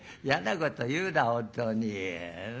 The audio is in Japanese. こと言うな本当に。